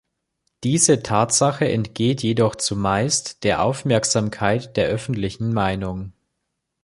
Diese Tatsache entgeht jedoch zumeist der Aufmerksamkeit der öffentlichen Meinung.